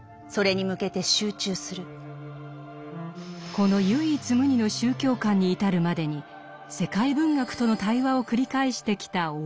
この唯一無二の宗教観に至るまでに世界文学との対話を繰り返してきた大江。